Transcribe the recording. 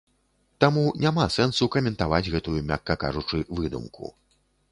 Таму няма сэнсу каментаваць гэтую, мякка кажучы, выдумку.